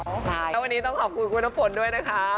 แล้ววันนี้ต้องขอบคุณคุณน้ำฝนด้วยนะคะ